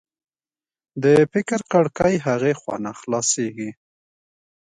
د فکر کړکۍ هغې خوا نه خلاصېږي